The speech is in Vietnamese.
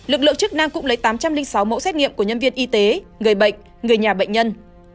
lực lượng chức năng cũng lấy tám trăm linh sáu mẫu xét nghiệm của nhân viên y tế người bệnh người nhà bệnh nhân